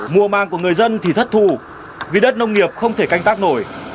mùa màng của người dân thì thất thù vì đất nông nghiệp không thể canh tác nổi